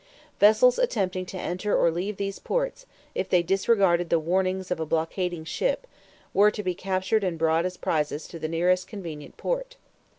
Vessels attempting to enter or leave these ports, if they disregarded the warnings of a blockading ship, were to be captured and brought as prizes to the nearest convenient port.